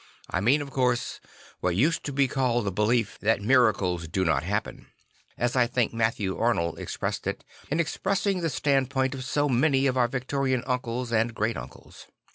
I mean, of course, what used to be called the belief II that miracles do not happen," as I think Matthew Arnold expressed it, in expressing the standpoint of so many of our Victorian uncles and great uncles.